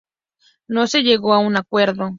No se llegó a un acuerdo.